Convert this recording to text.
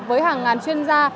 với hàng ngàn chuyên gia